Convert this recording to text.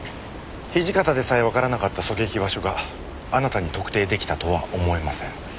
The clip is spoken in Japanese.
土方でさえわからなかった狙撃場所があなたに特定できたとは思えません。